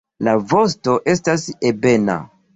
La vosto estas ebena.